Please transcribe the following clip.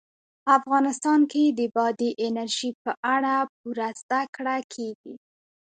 افغانستان کې د بادي انرژي په اړه پوره زده کړه کېږي.